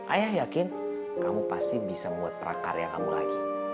ayah yakin kamu pasti bisa membuat prakarya kamu lagi